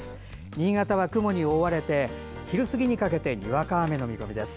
新潟は雲に覆われ昼過ぎにかけてにわか雨の予定です。